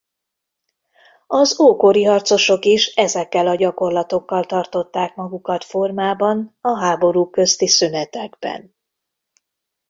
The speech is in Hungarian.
Az ókori harcosok is ezekkel a gyakorlatokkal tartották magukat formában a háborúk közti szünetekben.